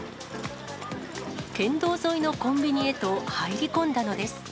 県道沿いのコンビニへと入り込んだのです。